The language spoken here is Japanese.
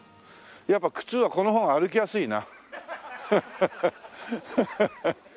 やっぱ靴はこの方が歩きやすいな。